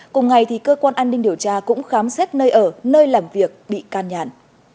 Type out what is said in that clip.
cùng ngày cơ quan an ninh điều tra cũng khám xét nơi ở nơi làm việc bị can nhàn